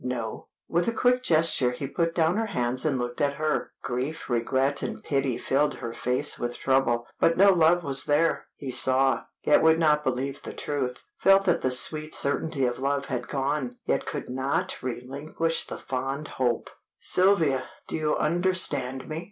"No." With a quick gesture he put down her hands and looked at her. Grief, regret, and pity, filled her face with trouble, but no love was there. He saw, yet would not believe the truth, felt that the sweet certainty of love had gone, yet could not relinquish the fond hope. "Sylvia, do you understand me?"